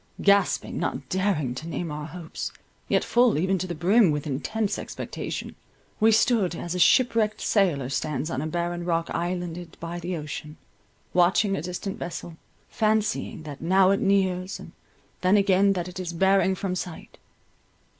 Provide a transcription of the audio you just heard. Gasping, not daring to name our hopes, yet full even to the brim with intense expectation, we stood, as a ship wrecked sailor stands on a barren rock islanded by the ocean, watching a distant vessel, fancying that now it nears, and then again that it is bearing from sight.